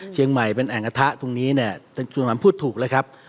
เชียงใหม่เป็นแอ่งกระทะตรงนี้เนี่ยท่านจวนหัมพูดถูกเลยครับ